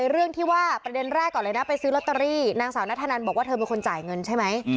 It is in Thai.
เรื่องที่ว่าประเด็นแรกก่อนเลยนะไปซื้อลอตเตอรี่นางสาวนัทธนันบอกว่าเธอเป็นคนจ่ายเงินใช่ไหม